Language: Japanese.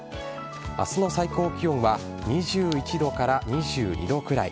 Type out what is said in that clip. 明日の最高気温は２１度から２２度くらい。